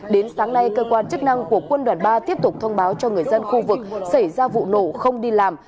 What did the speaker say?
đến sáng nay cơ quan chức năng của quân đoàn ba tiếp tục thông báo cho người dân khu vực xảy ra vụ nổ không đi làm